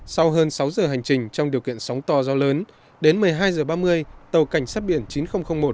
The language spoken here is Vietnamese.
sau hơn sáu giờ hành trình trong điều kiện sóng to gió lớn đến một mươi hai h ba mươi tàu cảnh sát biển chín nghìn một